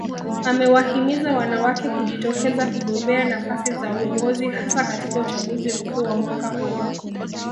Amewahimiza wanawake kujitokeza kugombea nafasi za uongozi hasa katika uchaguzi mkuu wa mwaka huu